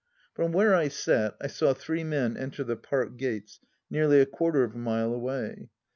From where I sat, I saw three men enter the Park gates nearly a quarter of a mile away.